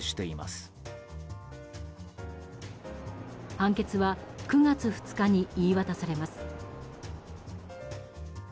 判決は９月２日に言い渡されます。